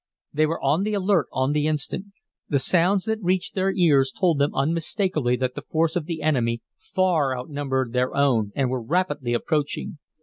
They were on the alert on the instant. The sounds that reached their ears told them unmistakably that the force of the enemy far outnumbered their own, and were rapidly approaching.